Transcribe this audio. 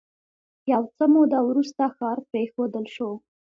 یو څه موده وروسته ښار پرېښودل شو.